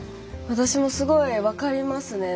私もすごい分かりますね。